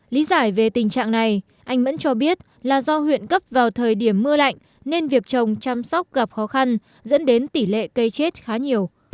lý giải về tình trạng này anh mẫn cho biết là do huyện cấp vào thời điểm mưa lạnh nên việc trồng chăm sóc gặp khó khăn dẫn đến tỷ lệ cây chết khá nhiều